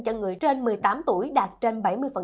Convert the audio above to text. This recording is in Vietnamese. cho người trên một mươi tám tuổi đạt trên bảy mươi